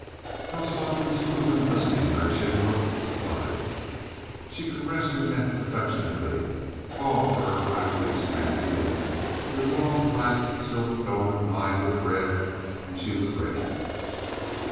How soft and smooth and glistening her chin looked above it. She caressed her neck affectionately, called for her black lace mantilla, her long, black silk dolman lined with red, and she was ready.